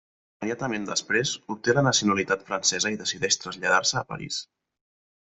Immediatament després, obté la nacionalitat francesa i decideix traslladar-se a París.